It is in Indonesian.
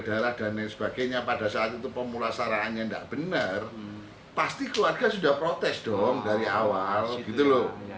darah dan lain sebagainya pada saat itu pemulasaraannya tidak benar pasti keluarga sudah protes dong dari awal gitu loh